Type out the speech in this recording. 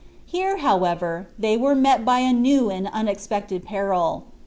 Here, however, they were met by a new and unexpected peril.